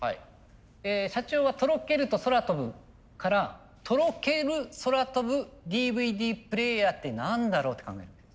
社長は「とろける」と「そらとぶ」から「とろけるそらとぶＤＶＤプレーヤー」って何だろうって考える。